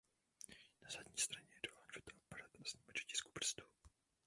Na zadní straně je duální fotoaparát a snímač otisků prstů.